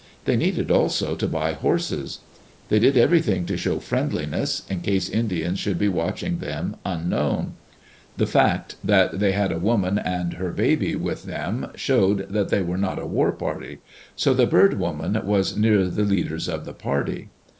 They needed also to buy horses. They did everything to show friendliness, in case Indians should be watching them, unknown. The fact that they had a woman and her baby with them showed that they were not a war party; so the Bird Woman was near the leaders of the party.